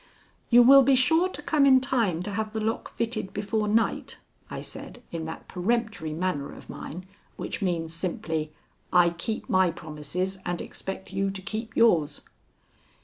"You will be sure to come in time to have the lock fitted before night?" I said in that peremptory manner of mine which means simply, "I keep my promises and expect you to keep yours."